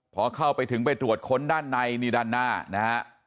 พอเข้าไปถึงไปตรวจค้นด้านในนี่ด้านหน้านะฮะ